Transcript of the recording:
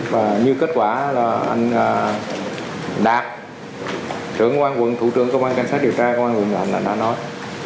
và như kết quả là anh đạt trưởng công an quận thủ trưởng công an cảnh sát điều tra công an quận thành đã nói